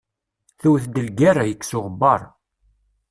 Tewwet-d lgerra, yekkes uɣebbar.